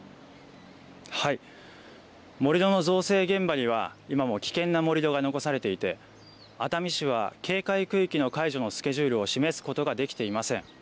盛り土の造成現場には、今も危険な盛り土が残されていて、熱海市は警戒区域の解除のスケジュールを示すことができていません。